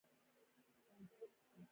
افغان نجونو هم په ورزش کې برخه اخیستې.